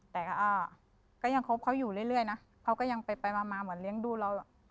แต่ก็ยังคบเขาอยู่เรื่อยนะเขาก็ยังไปมาเหมือนเลี้ยงดูเรา